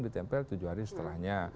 ditempel tujuh hari setelahnya